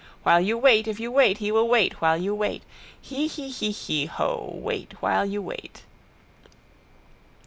While you wait if you wait he will wait while you wait. Hee hee hee hee. Hoh. Wait while you wait.